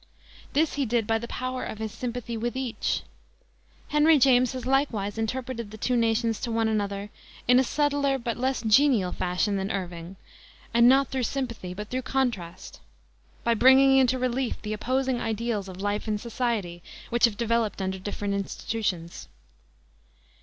This he did by the power of his sympathy with each. Henry James has likewise interpreted the two nations to one another in a subtler but less genial fashion than Irving, and not through sympathy, but through contrast, by bringing into relief the opposing ideals of life and society which have developed under different institutions.